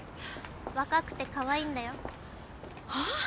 若くてかわいいんだよ。はあ？